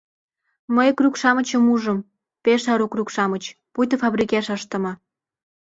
Мый крюк-шамычым ужым, пеш ару крюк-шамыч, пуйто фабрикеш ыштыме.